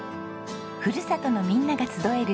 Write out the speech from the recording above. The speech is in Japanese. ふるさとのみんなが集える